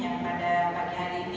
yang pada pagi hari ini